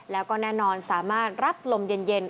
แล้วก็แน่นอนสามารถรับลมเย็น